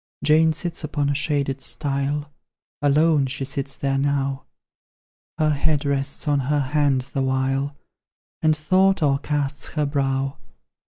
Jane sits upon a shaded stile, Alone she sits there now; Her head rests on her hand the while, And thought o'ercasts her brow.